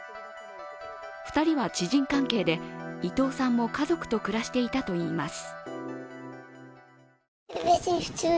２人は知人関係で伊藤さんも家族と暮らしていたといいます。